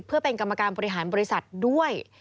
เพื่อเป็นกรรมการบริหารบริษัทด้วย